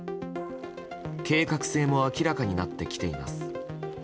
計画性も明らかになってきています。